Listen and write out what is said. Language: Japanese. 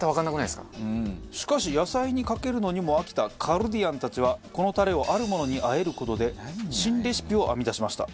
しかし野菜にかけるのにも飽きたカルディアンたちはこのたれをあるものに和える事で新レシピを編み出しました。